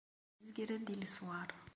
Izger-d i leswar.